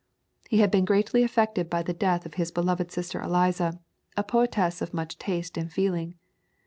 He had been greatly affected by the death of his beloved sister Eliza, a poetess of much taste and feeling.